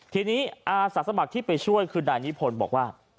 ทีนี้อาสาสมัครที่ไปช่วยคือนายนิพนธ์บอกว่า